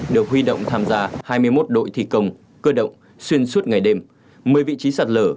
được huy động tham gia hai mươi một đội thi công cơ động xuyên suốt ngày đêm một mươi vị trí sạt lở